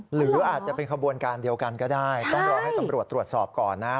หรืออาจจะเป็นขบวนการเดียวกันก็ได้ต้องรอให้ตำรวจตรวจสอบก่อนนะครับ